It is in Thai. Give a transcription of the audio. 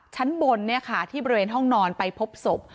ชั้นบนที่บริเวณห้องนอนไปพบศพ